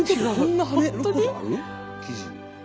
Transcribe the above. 生地。